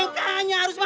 enggak makanya harus mau